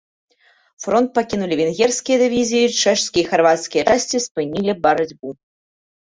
Фронт пакінулі венгерскія дывізіі, чэшскія і харвацкія часці спынілі барацьбу.